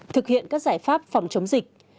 thực hiện các giải pháp phòng chống dịch